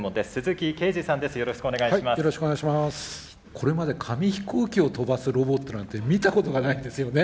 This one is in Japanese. これまで紙飛行機を飛ばすロボットなんて見たことがないんですよね。